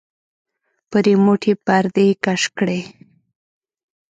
په رېموټ يې پردې کش کړې.